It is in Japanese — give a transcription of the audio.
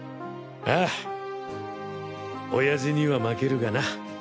ああ親父には負けるがな。